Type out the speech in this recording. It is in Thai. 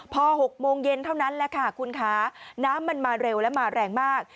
พอ๖โมงเย็นเท่านั้นแหละค่ะคุณคะน้ำมันมาเร็วและมาแรงมาก